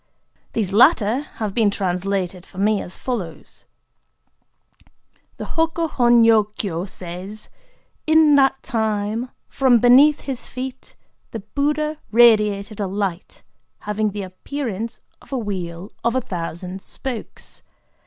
These latter have been translated for me as follows:— The HO KO HON NYO KYO says:—"In that time, from beneath his feet, the Buddha radiated a light having the appearance of a wheel of a thousand spokes.